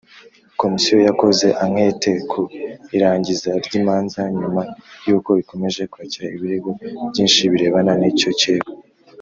Komisiyo yakoze anketi ku irangiza ry imanza nyuma yuko ikomeje kwakira ibirego byinshi birebana nicyo kirego